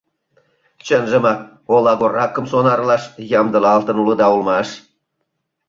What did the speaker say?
— Чынжымак олагоракым сонарлаш ямдылалтын улыда улмаш?